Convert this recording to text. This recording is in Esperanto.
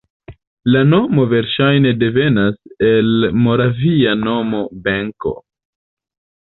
La nomo verŝajne devenas el moravia nomo Benko.